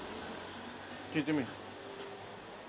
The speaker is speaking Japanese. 聞いてみる。